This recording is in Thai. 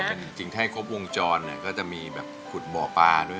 เราเป็นจิงไทยครบวงจรก็จะมีแบบขุดบ่อปลาด้วยนะ